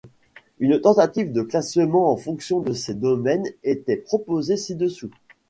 Une tentative de classement en fonction de ces domaines est proposée ci-dessous.